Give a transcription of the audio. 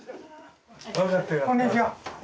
こんにちは。